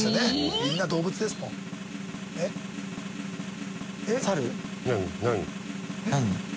みんな動物ですもん汽